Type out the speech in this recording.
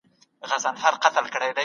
وايمه تاكړم